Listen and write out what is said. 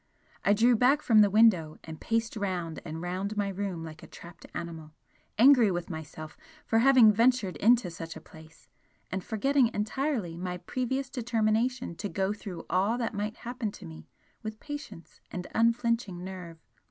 I drew back from the window and paced round and round my room like a trapped animal angry with myself for having ventured into such a place, and forgetting entirely my previous determination to go through all that might happen to me with patience and unflinching nerve.